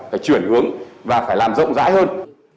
phải chuyển hướng và phải làm rộng rãi hơn